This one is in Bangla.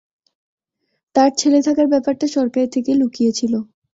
তার ছেলে থাকার ব্যাপারটা সরকারের থেকে লুকিয়েছিল।